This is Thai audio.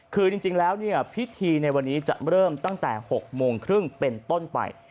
คือจริงแล้วพิธีในวันนี้จะเริ่มตั้งแต่๖โมงครึ่งเป็นต้นไป